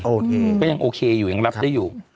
โอเคก็ยังโอเคอยู่ยังรับได้อยู่